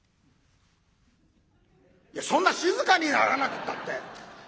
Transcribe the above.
いやそんな静かにならなくったって。